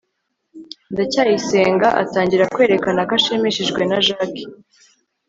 ndacyayisenga atangira kwerekana ko ashimishijwe na jaki